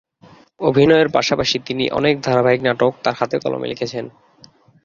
অভিনয়ের পাশাপাশি তিনি অনেক ধারাবাহিক নাটক তার হাতে-কলমে লিখেছেন।